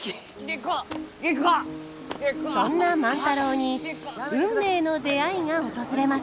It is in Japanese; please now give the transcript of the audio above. そんな万太郎に運命の出会いが訪れます。